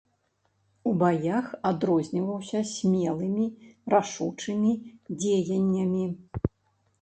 У баях адрозніваўся смелымі рашучымі дзеяннямі.